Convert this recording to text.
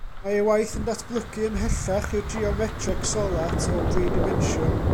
Mae ei waith yn datblygu ymhellach i'r geometreg solat o dri dimensiwn.